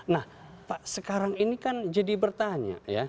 nah pak sekarang ini kan jadi bertanya ya